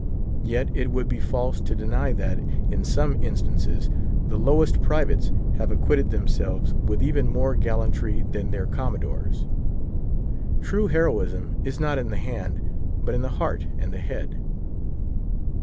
Yet it would be false to deny that, in some in stances, the lowest privates have acquitted themselves with even more gallantry than their commodores. True heroism is not in the hand, but in the heart and the head.